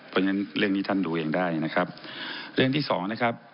เพราะฉะนั้นเรื่องนี้ท่านดูเองได้นะครับเรื่องที่สองนะครับ